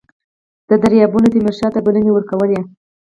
درباریانو تیمورشاه ته بلنې ورکولې.